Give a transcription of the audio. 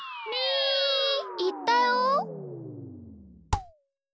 ーいったよ！